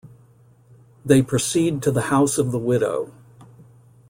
They proceed to the house of the widow.